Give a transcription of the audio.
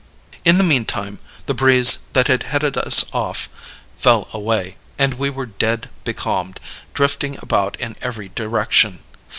"In the meantime, the breeze that had headed us off fell away; and we were dead becalmed, drifting about in every direction.